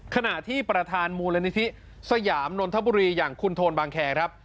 ขณะที่ประธานมูลนิธิสยามนนทบุรีอย่างคุณโทนบางแคร์ครับ